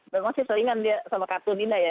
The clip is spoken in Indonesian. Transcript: memang sih seringan dia sama kartun dinda ya